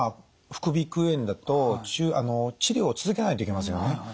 副鼻腔炎だと治療を続けないといけませんよね。